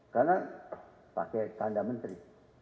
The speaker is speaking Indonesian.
karena pakai tanda menteri